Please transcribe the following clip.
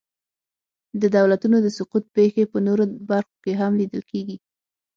د دولتونو د سقوط پېښې په نورو برخو کې هم لیدل کېږي.